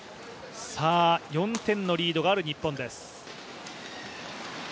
４点のリードがある日本です。